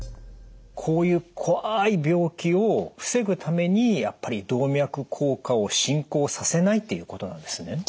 こういう怖い病気を防ぐためにやっぱり動脈硬化を進行させないっていうことなんですね？